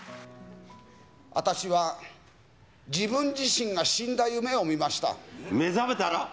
私は自分自身が死んだ夢を見目覚めたら？